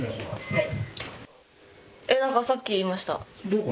はい。